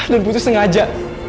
dan putri sengaja